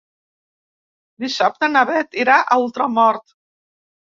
Dissabte na Beth irà a Ultramort.